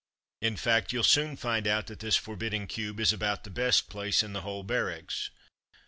In fact you'll soon find out that this forbidding cube is about the best place in the whole barracks.